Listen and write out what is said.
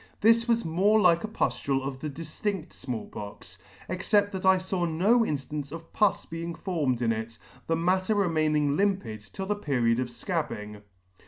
This was more like C '37 ] like a pultule of the diftind Small Pox, except that I faw no inftance of pus being formed in it, the matter remaining limpid till the period of fcabbing.